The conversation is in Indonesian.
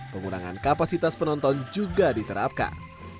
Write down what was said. pengurangan kapasitas penonton juga diterapkan